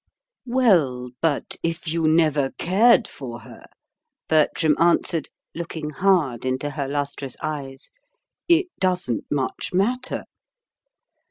"Well, but if you never cared for her," Bertram answered, looking hard into her lustrous eyes, "it doesn't much matter."